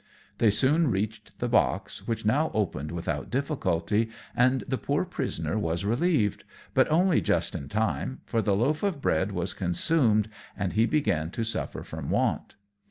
They soon reached the box, which now opened without difficulty, and the poor prisoner was relieved; but only just in time, for the loaf of bread was consumed, and he began to suffer from want.